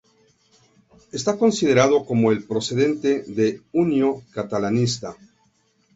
Está considerado como el precedente de Unió Catalanista.